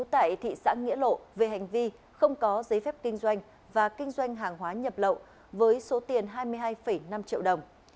tại thị xã nghĩa lộ về hành vi không có giấy phép kinh doanh và kinh doanh hàng hóa nhập lậu với số tiền hai mươi hai năm triệu đồng